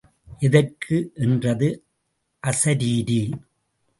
எதற்கு? என்றது அசரீரி.